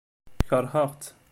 Keṛheɣ-tt.